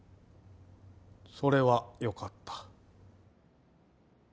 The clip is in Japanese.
それはよかった